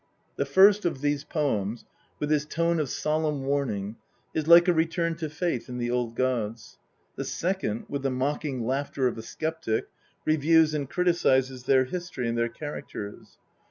The first of these poems, with its tone of solemn warning, is like a return to faith in the old gods ; the second, with the mocking laughter of a sceptic, reviews and criticises their history and their characters.